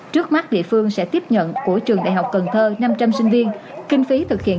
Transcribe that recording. trước mắt địa phương sẽ tiếp nhận của trường đại học cần thơ năm trăm linh sinh viên kinh phí thực hiện